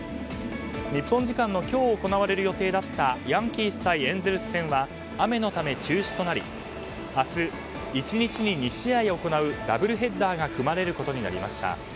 日本時間の今日行われる予定だったヤンキース対エンゼルス戦は雨のため中止となり明日、１日に２試合行うダブルヘッダーが組まれることになりました。